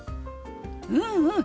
うんうん！